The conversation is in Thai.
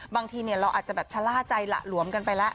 บางทีเราอาจจะแบบชะล่าใจหละหลวมกันไปแล้ว